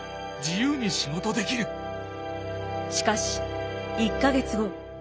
しかし１か月後。